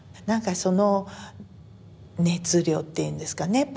なんかその熱量っていうんですかね